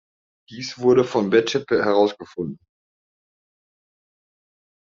Dies wurde von Bachet herausgefunden.